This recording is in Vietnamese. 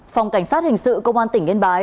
phòng cảnh sát hình sự công an tỉnh yên bái